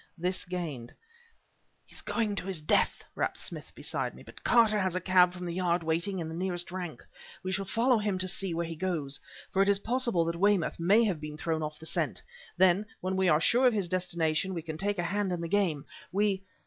This gained: "He's going to his death!" rapped Smith beside me; "but Carter has a cab from the Yard waiting in the nearest rank. We shall follow to see where he goes for it is possible that Weymouth may have been thrown off the scent; then, when we are sure of his destination, we can take a hand in the game! We..."